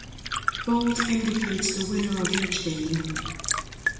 Bold indicates the winner of each game.